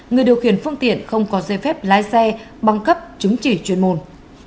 người điều khiển phương tiện không có dây phép lái xe băng cấp chứng chỉ chuyên môn